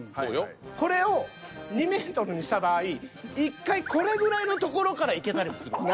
これを２ｍにした場合１回これぐらいの所からいけたりもするわけ。